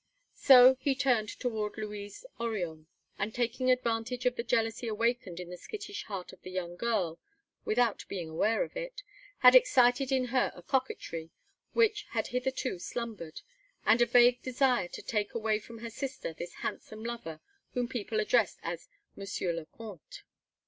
So he turned toward Louise Oriol, and, taking advantage of the jealousy awakened in the skittish heart of the young girl, without being aware of it, had excited in her a coquetry which had hitherto slumbered, and a vague desire to take away from her sister this handsome lover whom people addressed as "Monsieur le Comte."